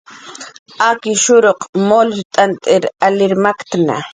Akishuruq ajtz' t'ant alir maktna